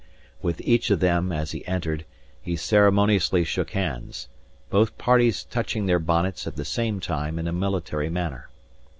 With each of them, as he entered, he ceremoniously shook hands, both parties touching their bonnets at the same time in a military manner.